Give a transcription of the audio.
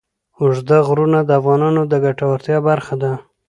اوږده غرونه د افغانانو د ګټورتیا برخه ده.